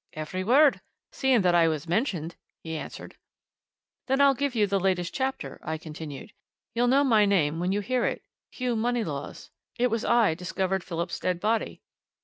"Every word seeing that I was mentioned," he answered. "Then I'll give you the latest chapter," I continued. "You'll know my name when you hear it Hugh Moneylaws. It was I discovered Phillips's dead body."